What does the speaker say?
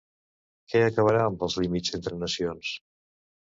Què acabarà amb els límits entre nacions?